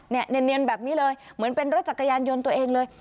เนียนแบบนี้เลยเหมือนเป็นรถจักรยานยนต์ตัวเองเลย